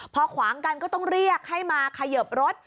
พอขวางกันก็ต้องเรียกให้มาเขยิบรถ